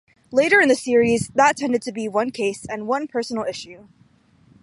Later in the series, that tended to be one case and one personal issue.